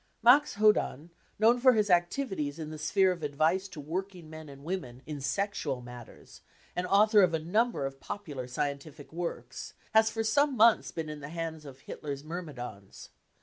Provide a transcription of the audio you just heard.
Max Hodann, known for his activities in the sphere of advice to working men and women in sexual matters, and author of a number of popular scientific works, has for some months been in the hands of Hitler's myrmidons.